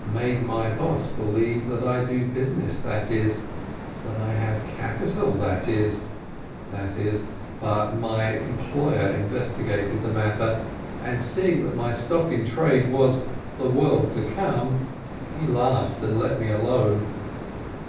made my boss be lieve that I do business, that is, that I have capital, that is — that is — but my employer investigated the matter, and seeing that my stock in trade was the world to come, he laughed, and let me alone.